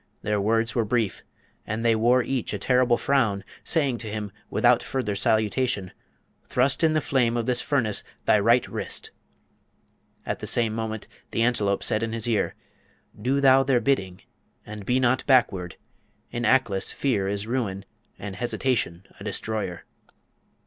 Their words were brief, and they wore each a terrible frown, saying to him, without further salutation, 'Thrust in the flame of this furnace thy right wrist.' At the same moment, the Antelope said in his ear, 'Do thou their bidding, and be not backward! In Aklis fear is ruin, and hesitation a destroyer.'